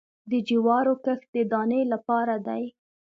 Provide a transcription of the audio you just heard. د جوارو کښت د دانې لپاره دی